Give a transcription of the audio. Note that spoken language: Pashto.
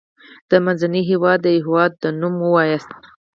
د منځني هيواد دیوه هیواد نوم ووایاست.